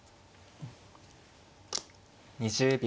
２０秒。